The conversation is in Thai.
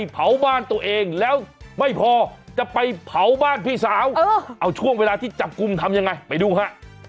พอจะไปเผาบ้านพี่สาวเอาช่วงเวลาที่จับกุมทำยังไงไปดูค่ะ